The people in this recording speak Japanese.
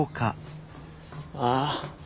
ああ。